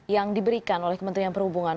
yang diberikan oleh kementerian perhubungan